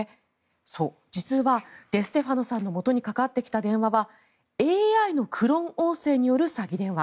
そう、実はデステファノさんのもとにかかってきた電話はＡＩのクローン音声による詐欺電話。